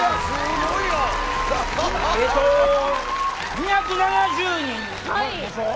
２７０人いるんでしょ。